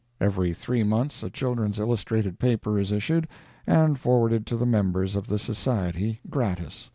Every three months a children's illustrated paper is issued and forwarded to the members of the Society gratis.